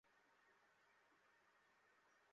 বস, - খেলা শুরু করবো?